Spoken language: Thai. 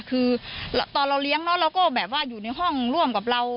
คือตอนเราเลี้ยงน้องเราก็อยู่ในห้องร่วมกับเรา